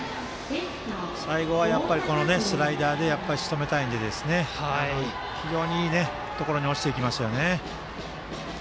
最後はスライダーでしとめたいので非常にいいところに落ちていきましたね。